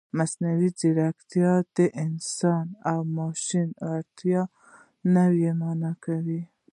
مصنوعي ځیرکتیا د انسان او ماشین اړیکه نوې مانا کوي.